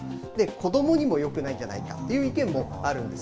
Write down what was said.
子どもにもよくないんじゃないかという意見もあるんです。